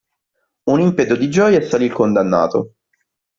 Un impeto di gioia assalì il condannato.